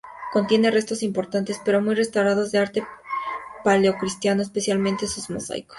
Contiene restos importantes pero muy restaurados de arte paleocristiano, especialmente sus mosaicos.